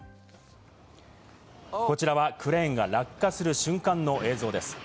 こちらはクレーンが落下する瞬間の映像です。